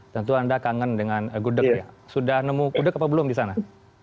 tentu anda kangen dengan gudeg ya sudah nemu gudeg apa belum di sana